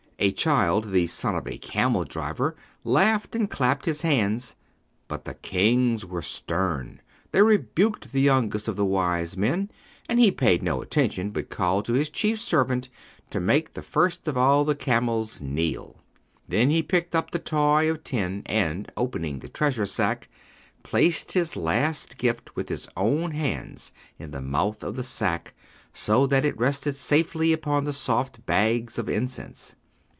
A child, the son of a camel driver, laughed and clapped his hands, but the kings were stern. They rebuked the youngest of the wise men and he paid no attention but called to his chief servant to make the first of all the camels kneel. Then he picked up the toy of tin and, opening the treasure sack, placed his last gift with his own hands in the mouth of the sack so that it rested safely upon the soft bags of incense.